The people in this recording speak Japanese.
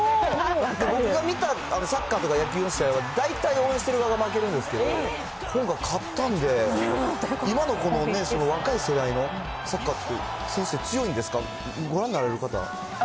僕が見たサッカーとか野球の試合は、大体応援してる側が負けるんですけど、今回、勝ったんで、今の若い世代のサッカーって、強いんですか？